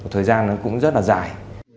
thời gian nó cũng rất là dài